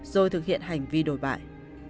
rồi thực hiện hành vi đổi bại